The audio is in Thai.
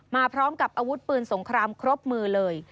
มาพร้อมกับอาวุธปืนสงครามครบมือเลย